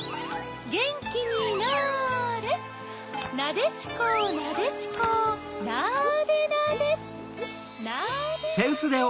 ゲンキになれなでしこなでしこなでなでなでなで。